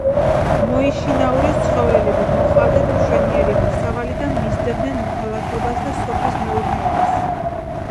მოიშინაურეს ცხოველები, მოჰყავდათ მშვენიერი მოსავალი და მისდევდნენ მესაქონლეობას და სოფლის მეურნეობას.